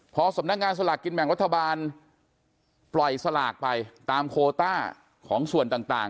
พอสำนักงานสลากกินแบ่งรัฐบาลปล่อยสลากไปตามโคต้าของส่วนต่าง